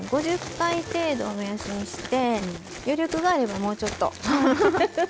５０回程度を目安にして余力があればもうちょっと。